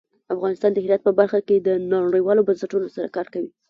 افغانستان د هرات په برخه کې نړیوالو بنسټونو سره کار کوي.